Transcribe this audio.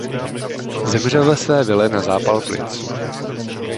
Zemřel ve své vile na zápal plic.